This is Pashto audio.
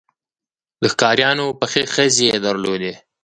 د ښکاریانو پخې خزې یې درلودې.